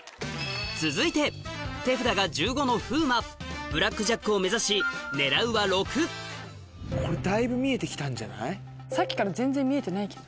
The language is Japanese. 続いて手札が１５の風磨ブラックジャックを目指し狙うは６さっきから全然見えてないけど。